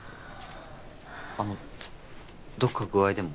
あのどこか具合でも？